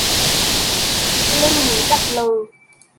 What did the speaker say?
Lên núi đặt lờ